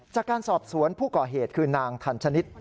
จากการสอบสวนผู้ก่อเหตุคือนางทันชนิด